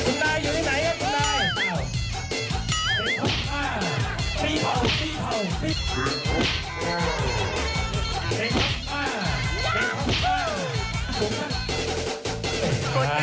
คุณนายอยู่ไหนนะคุณนาย